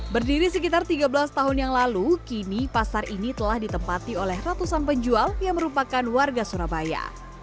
berdiri sekitar tiga belas tahun yang lalu kini pasar ini telah ditempati oleh ratusan penjual yang merupakan warga surabaya